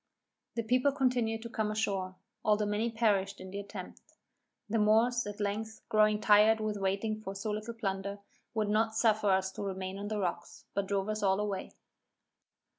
The people continued to come ashore, though many perished in the attempt. The Moors, at length, growing tired with waiting for so little plunder, would not suffer us to remain on the rocks, but drove us all away.